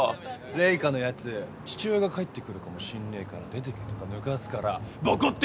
レイカのやつ父親が帰って来るかもしんねぇから出てけとかぬかすからボコってやった！